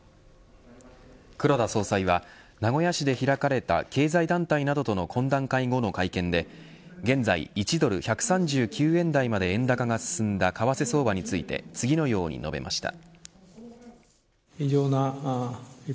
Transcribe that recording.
黒田総裁は名古屋市で開かれた経済団体などとの懇談会後の会見で現在１ドル１３９円台まで円高が進んだ為替相場について次のように述べました。